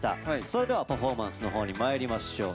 それではパフォーマンスのほうにまいりましょう。